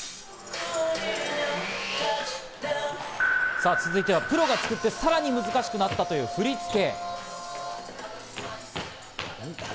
さぁ、続いてはプロが作って、さらに難しくなったという振り付け。